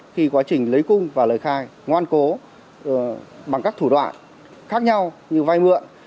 khi quá trình lấy cung và lời khai ngoan cố bằng các thủ đoạn khác nhau như vay mượn